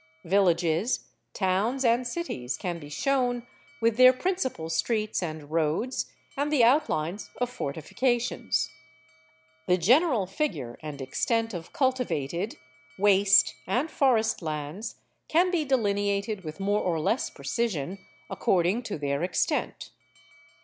Villages, towns, and cities can be shown, with their principal streets and roads, and the outlines of fortifications. The general figure and extent of cultivated, waste, and forest lands can be delineated with more or less precision, according to their extent.